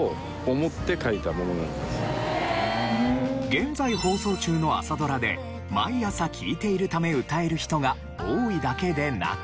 現在放送中の朝ドラで毎朝聴いているため歌える人が多いだけでなく。